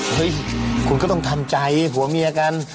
เฮ้ยคุณก็ต้องทำใจผัวเมียกัน